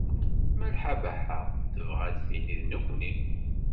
Malḥa Baḥa tebɣa ad d-tini nekkni?